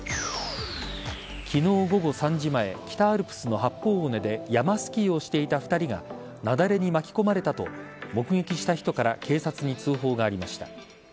昨日午後３時前北アルプスの八方尾根で山スキーをしていた２人が雪崩に巻き込まれたと目撃した人から警察に通報がありました。